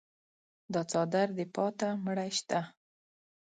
دا څادر دې پاته مړی شته.